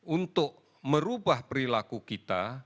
untuk merubah perilaku kita